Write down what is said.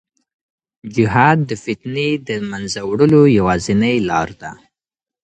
جهاد د فتنې د منځه وړلو یوازینۍ لار ده.